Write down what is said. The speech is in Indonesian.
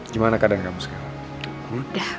gimana keadaan kamu sekarang